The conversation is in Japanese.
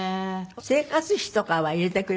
生活費とかは入れてくれるとか。